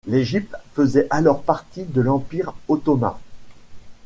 L'Égypte faisait alors partie de l'Empire Ottoman.